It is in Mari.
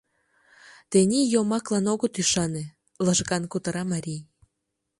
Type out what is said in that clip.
— Тений йомаклан огыт ӱшане, — лыжган кутыра марий.